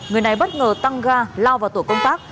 người này bất ngờ tăng ga lao vào tổ công tác